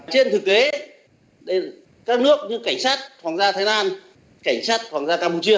trên thực tế các nước như cảnh sát hoàng gia thái lan cảnh sát hoàng gia campuchia